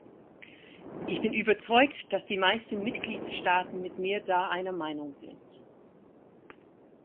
Ich bin überzeugt, dass die meisten Mitgliedstaaten mit mir da einer Meinung sind.